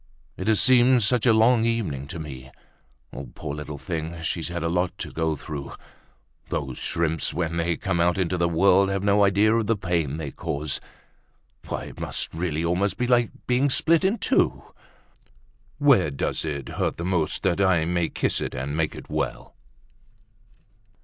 It has seemed such a long evening to me! Poor little thing, she's had a lot to go through! Those shrimps, when they come out into the world, have no idea of the pain they cause. It must really almost be like being split in two. Where does it hurt the most, that I may kiss it and make it well?"